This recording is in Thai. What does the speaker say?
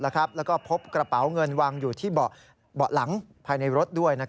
แล้วก็พบกระเป๋าเงินวางอยู่ที่เบาะหลังภายในรถด้วย